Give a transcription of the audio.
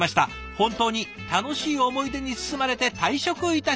本当に楽しい思い出に包まれて退職いたします」。